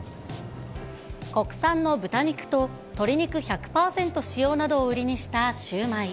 国産の豚肉と鶏肉１００％使用などを売りにしたシュウマイ。